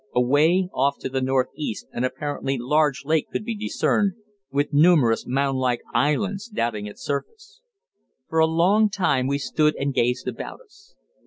Away off to the northeast an apparently large lake could be discerned, with numerous mound like islands dotting its surface. For a long time we stood and gazed about us.